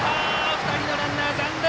２人のランナー、残塁！